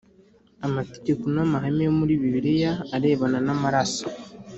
Amategeko n amahame yo muri bibiliya arebana n amaraso